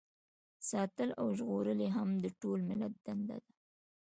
ساتل او ژغورل یې هم د ټول ملت دنده ده.